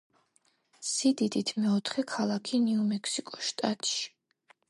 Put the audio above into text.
სიდიდით მეოთხე ქალაქი ნიუ-მექსიკოს შტატში.